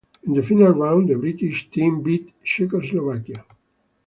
In the final round, the British team beat Czechoslovakia.